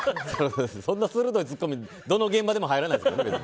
そんな鋭いツッコミどの現場でも入らないです。